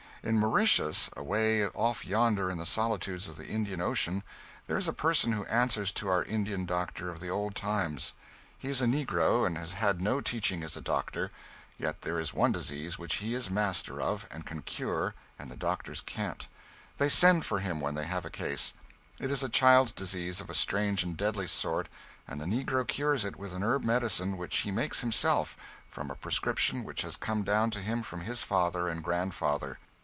In Mauritius, away off yonder in the solitudes of the Indian Ocean, there is a person who answers to our Indian doctor of the old times. He is a negro, and has had no teaching as a doctor, yet there is one disease which he is master of and can cure, and the doctors can't. They send for him when they have a case. It is a child's disease of a strange and deadly sort, and the negro cures it with a herb medicine which he makes, himself, from a prescription which has come down to him from his father and grandfather.